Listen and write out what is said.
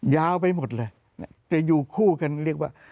ยาวไปหมดเลยแต่อยู่คู่กันเรียกว่า